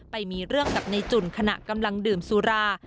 ไปมีเรื่องกับในจุ่นขณะกำลังดื่มสุรา